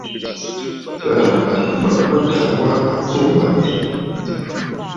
Taà à kɨ̀ màʼa mâtaà wa a kô m̀bândòò.